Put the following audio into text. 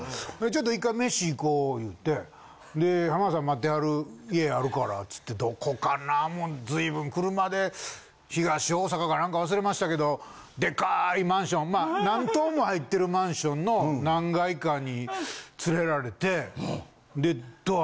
ちょっと１回飯行こう言うてで浜田さん待ってはる家あるからっつってどこかなもう随分車で東大阪かなんか忘れましたけどでかいマンション何棟も入ってるマンションの何階かに連れられてで。